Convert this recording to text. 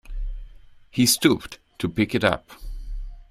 He stooped to pick it up.